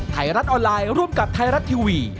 ไทยรัฐออนไลน์ร่วมกับไทยรัฐทีวี